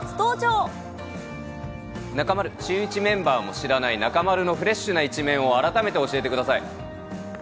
中丸、シューイチメンバーも知らない、中丸のフレッシュな一面を改めて教えてください。